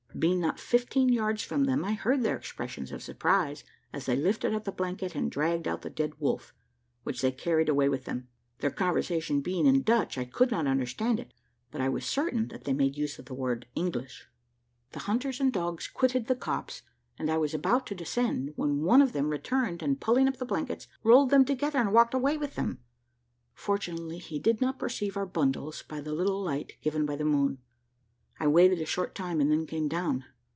Being not fifteen yards from them, I heard their expressions of surprise as they lifted up the blanket and dragged out the dead wolf, which they carried away with them; their conversation being in Dutch, I could not understand it, but I was certain that they made use of the word "English." The hunters and dogs quitted the copse, and I was about to descend, when one of them returned, and pulling up the blankets, rolled them together and walked away with them. Fortunately he did not perceive our bundles by the little light given by the moon. I waited a short time and then came down.